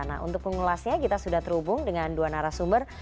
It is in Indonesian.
nah untuk pengulasnya kita sudah terhubung dengan dua narasumber